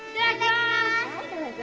はいどうぞ。